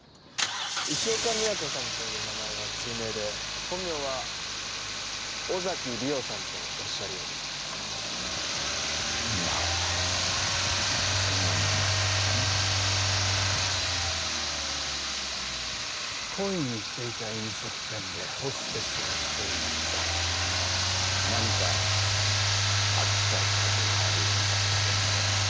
石岡美也子さんという名前は通名で本名は尾崎莉桜さんとおっしゃるようですがまあそんな名前だったかな懇意にしていた飲食店でホステスをしていました何か隠したい過去があるような人でね